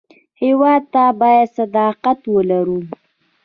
هېواد ته باید صداقت ولرو